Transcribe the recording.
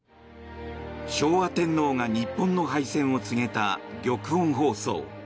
昭和天皇が日本の敗戦を告げた玉音放送。